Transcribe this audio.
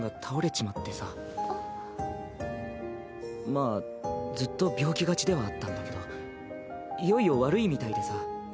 まあずっと病気がちではあったんだけどいよいよ悪いみたいでさ。